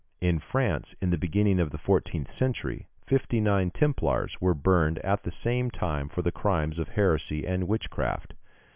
In France, in the beginning of the fourteenth century, fifty nine Templars were burned at the same time for the crimes of heresy and witchcraft.